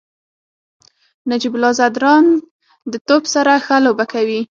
نجیب الله زدران د توپ سره ښه لوبه کوي.